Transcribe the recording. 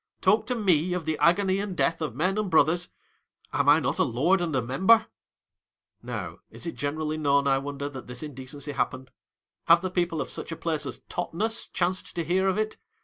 Talk to me of the agony and death of men and brothers ! Am I not a Lord and a Member ! Now, is it generally known, I wonder, that this indecency happened ? Have the people of such a place as TOTNES chanced to hear of it